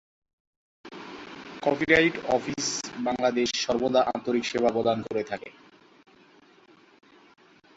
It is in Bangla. কপিরাইট অফিস বাংলাদেশ সর্বদা আন্তরিক সেবা প্রদান করে থাকে।